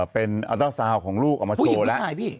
เป็นเจ้าสาวของลูกออกมาโชว์แล้ว